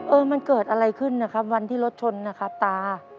เออมันเกิดอะไรขึ้นนะครับวันที่รถชนนะครับตา